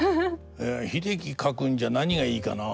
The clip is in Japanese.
「英樹描くんじゃ何がいいかな？